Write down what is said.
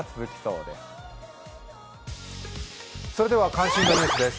関心度ニュースです。